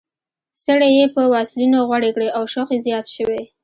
څڼې یې په واسلینو غوړې کړې او شوق یې زیات شوی.